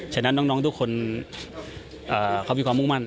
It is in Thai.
ฉะนั้นน้องทุกคนเขามีความมุ่งมั่น